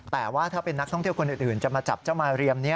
แต่ว่าถ้าเป็นนักท่องเที่ยวคนอื่นจะมาจับเจ้ามาเรียมนี้